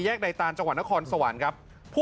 แยกใดตาจากหวันทครสวรรค์ครับ